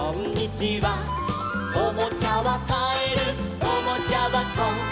「おもちゃはかえるおもちゃばこ」